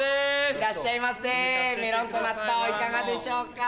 いらっしゃいませメロンと納豆いかがでしょうか。